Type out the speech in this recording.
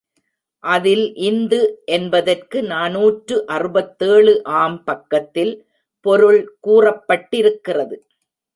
அதில் இந்து என்பதற்கு நாநூற்று அறுபத்தேழு ஆம் பக்கத்தில் பொருள் கூறப்பட்டிருக்கிறது.